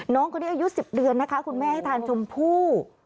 น้องคนนี้อายุ๑๐เดือนนะคะคุณแม่ให้ทานชมพู่